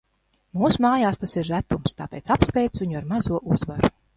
Mūsu mājās tas ir retums, tāpēc apsveicu viņu ar mazo uzvaru.